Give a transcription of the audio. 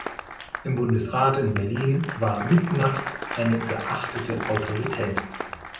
Im Bundesrat in Berlin war Mittnacht eine geachtete Autorität.